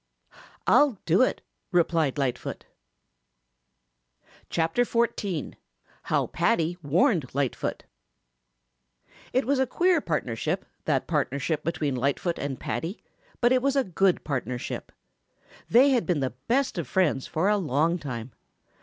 "I'll do it," replied Lightfoot. CHAPTER XIV HOW PADDY WARNED LIGHTFOOT It was a queer partnership, that partnership between Lightfoot and Paddy, but it was a good partnership. They had been the best of friends for a long time.